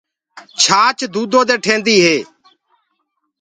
ڇآچ دودو دي ٺينديٚ هي۔